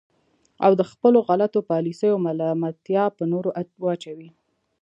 او د خپلو غلطو پالیسیو ملامتیا په نورو واچوي.